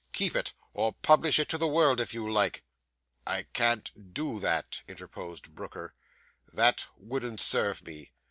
Keep it, or publish it to the world, if you like.' 'I can't do that,' interposed Brooker. 'That wouldn't serve me.